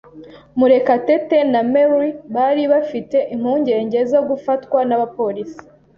Murekatete na Mary bari bafite impungenge zo gufatwa n'abapolisi.